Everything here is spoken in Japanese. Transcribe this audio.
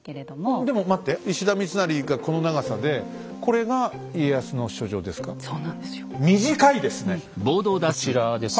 でも待って石田三成がこの長さでこれが家康の書状ですか？